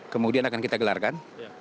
kemudian akan kita gelarkan